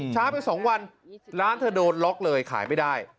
ไป๒วันร้านเธอโดนล็อกเลยขายไม่ได้